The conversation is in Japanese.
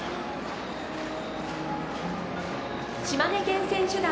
島根県選手団。